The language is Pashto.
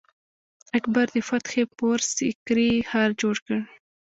اکبر د فتح پور سیکري ښار جوړ کړ.